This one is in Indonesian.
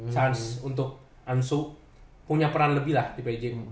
chance untuk ansu punya peran lebih lah di pj